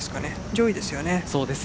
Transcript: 上位ですよね。